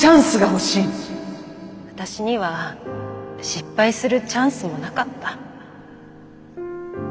私には失敗するチャンスもなかった。